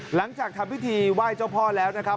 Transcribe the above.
หลังจากทำพิธีไหว้เจ้าพ่อแล้วนะครับ